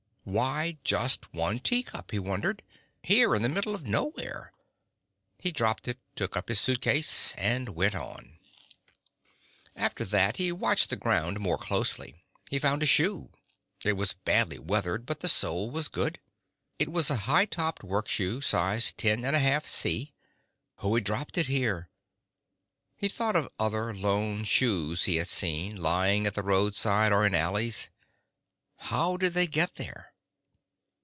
Why just one teacup, he wondered, here in the middle of nowhere? He dropped it, took up his suitcase, and went on. After that he watched the ground more closely. He found a shoe; it was badly weathered, but the sole was good. It was a high topped work shoe, size 10 1/2 C. Who had dropped it here? He thought of other lone shoes he had seen, lying at the roadside or in alleys. How did they get there...?